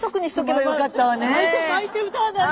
巻いて巻いて歌わない。